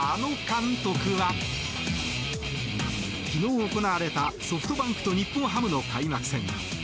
昨日行われたソフトバンクと日本ハムの開幕戦。